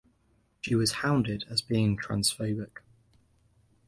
She was hounded as being transphobic.